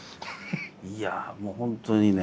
いやあもう本当にね。